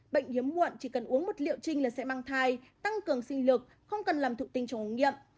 bệnh hiếm muộn chỉ cần uống một liệu trinh là sẽ mang thai tăng cường sinh lực không cần làm thụ tinh trong ống nghiệm